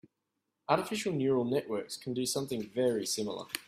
Artificial neural networks can do something very similar.